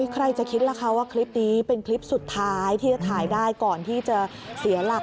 ใครจะคิดล่ะคะว่าคลิปนี้เป็นคลิปสุดท้ายที่จะถ่ายได้ก่อนที่จะเสียหลัก